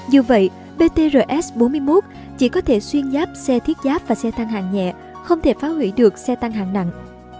dù vậy btrs bốn mươi một chỉ có thể xuyên giáp xe thiết giáp và xe thang hạng nhẹ không thể phá hủy được xe tăng hạng nặng